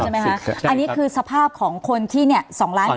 อันนี้คือสภาพของคนที่๒ร้านกว่าคน